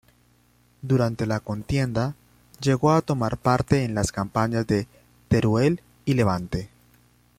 Durante la contienda llegó a tomar parte en las campañas de Teruel y Levante.